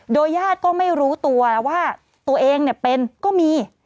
โดยญาติก็ไม่รู้ตัวว่าตัวเองเป็นก็มี